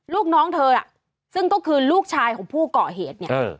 ลูกน้องเธอซึ่งก็คือลูกชายของผู้เกาะเหตุเนี่ย